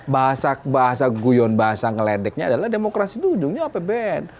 bahasa guyon bahasa ngeledeknya adalah demokrasi itu ujungnya apbn